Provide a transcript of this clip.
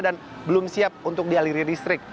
dan belum siap untuk dialiri listrik